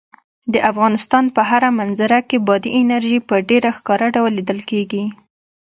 د افغانستان په هره منظره کې بادي انرژي په ډېر ښکاره ډول لیدل کېږي.